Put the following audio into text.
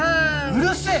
うるせえ！